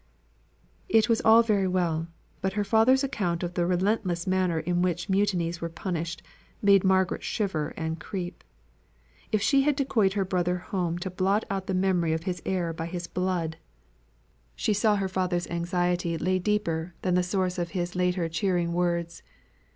It was all very well; but her father's account of the relentless manner in which mutinies were punished made Margaret shiver and creep. If she had decoyed her brother home to blot out the memory of his error by his blood! She saw her father's anxiety lap deeper than the source of his latter cheering words.